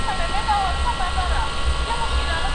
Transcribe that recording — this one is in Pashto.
له ناكامه به يې ښځه په ژړا سوه